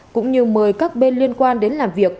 cũng như mời các bên liên quan đến làm việc